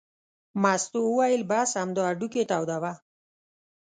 مستو وویل: بس همدا هډوکي تودوه.